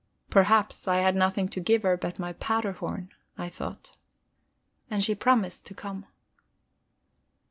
Perhaps I had nothing to give her but my powder horn, I thought. And she promised to come.